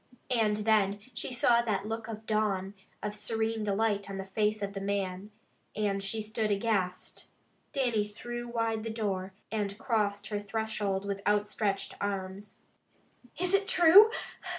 And then she saw that look of dawn, of serene delight on the face of the man, and she stood aghast. Dannie threw wide the door, and crossed her threshold with outstretched arms. "Is it true?"